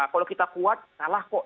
kalau kita kuat salah kok